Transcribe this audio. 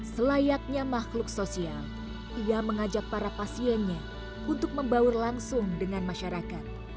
selayaknya makhluk sosial ia mengajak para pasiennya untuk membaur langsung dengan masyarakat